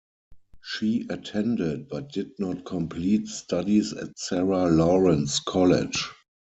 She attended but did not complete studies at Sarah Lawrence College.